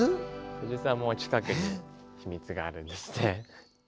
実はもう近くに秘密があるんですね。